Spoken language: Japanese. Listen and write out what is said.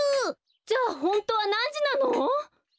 じゃあホントはなんじなの？